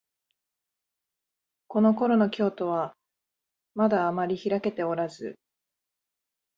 このころの京都は、まだあまりひらけておらず、